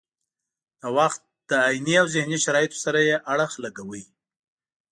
د وخت له عیني او ذهني شرایطو سره یې اړخ لګاوه.